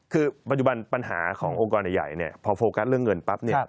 คือปัจจุบันปัญหาของโอกาสใหญ่พอโฟกัสเรื่องเงินปั๊บเนี่ย